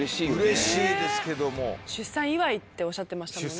うれしいですけども。っておっしゃってましたもんね。